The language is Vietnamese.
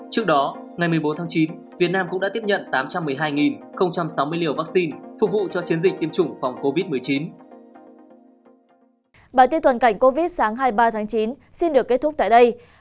trước đó ngày một mươi bốn tháng chín việt nam cũng đã tiếp nhận tám trăm một mươi hai sáu mươi liều vaccine phục vụ cho chiến dịch tiêm chủng phòng covid một mươi chín